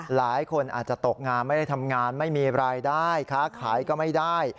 หลายคนอาจจะตกงานไม่ได้ทำงานไม่มีรายได้ค้าขายก็ไม่ได้